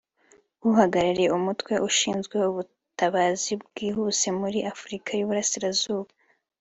uhagarariye umutwe ushinzwe ubutabazi bwihuse muri Afurika y’Iburasirazuba